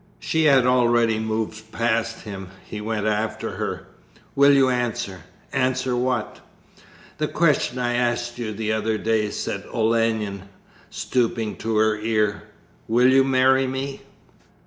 She had already moved past him. He went after her. 'Will you answer?' 'Answer what?' 'The question I asked you the other day,' said Olenin, stooping to her ear. 'Will you marry me?'